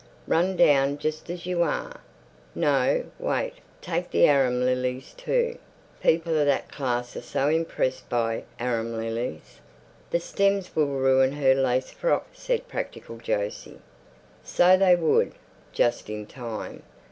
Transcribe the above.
"Run down just as you are. No, wait, take the arum lilies too. People of that class are so impressed by arum lilies." "The stems will ruin her lace frock," said practical Jose. So they would. Just in time.